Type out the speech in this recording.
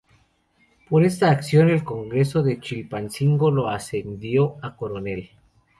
Por esta acción, el Congreso de Chilpancingo lo ascendió a coronel.